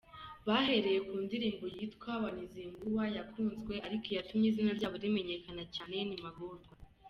Bahereye ku ndirimbo yitwa “Wanizingua” yakunzwe ariko iyatumye izina ryabo rimenyekana cyane ni “Magorwa”.